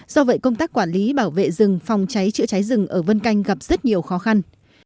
do vậy công tác quản lý bảo vệ rừng phòng cháy chữa cháy rừng ở vân canh gặp rất nhiều khó khăn